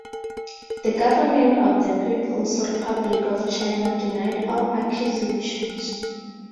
The government of the People's Republic of China denied all accusations.